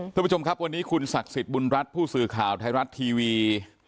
คุณผู้ชมครับวันนี้คุณศักดิ์สิทธิ์บุญรัฐผู้สื่อข่าวไทยรัฐทีวี